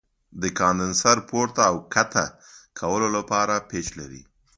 د کاندنسر پورته او ښکته کولو لپاره پیچ لري.